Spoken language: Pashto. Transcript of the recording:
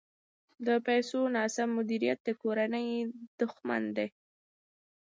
د پیسو ناسم مدیریت د کورنۍ دښمن دی.